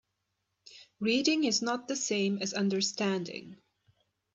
Reading is not the same as understanding.